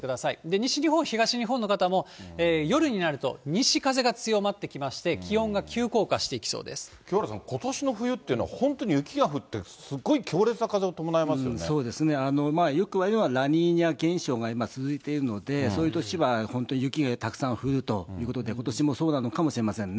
西日本、東日本の方も、夜になると西風が強まってきまして、清原さん、ことしの冬っていうのは本当に雪が降って、すごい強烈な風を伴いそうですね、よくいわれるのが、ラニーニャ現象が今、続いているので、ことしは本当に雪がたくさん降るということで、ことしもそうなのかもしれませんね。